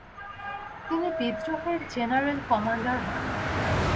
তিনি বিদ্রোহের general commander হন।